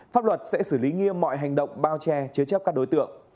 pháp luật sẽ xử lý nghiêm mọi hành động bao che chứa chấp các đối tượng